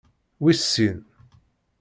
Wis sin.